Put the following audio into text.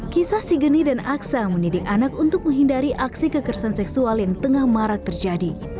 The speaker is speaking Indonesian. kisah si geni dan aksa mendidik anak untuk menghindari aksi kekerasan seksual yang tengah marak terjadi